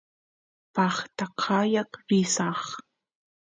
paqta qaya risaq